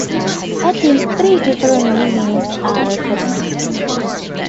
At least three different meanings are recognized.